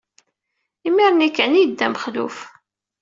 Imir-nni kan ay yedda Mexluf.